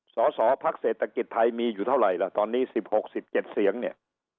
สอสอภักษ์เศรษฐกิจไทยมีอยู่เท่าไรล่ะตอนนี้สิบหกสิบเจ็ดเสียงเนี่ย